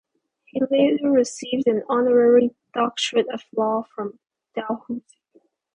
He later received an Honorary Doctorate of Law from Dalhousie.